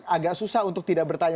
agak susah untuk tidak bertanya